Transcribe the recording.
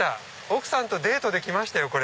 奥さんとデートで来ましたよ。